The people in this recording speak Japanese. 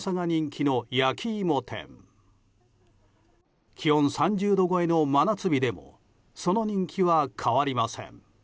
気温３０度超えの真夏日でもその人気は変わりません。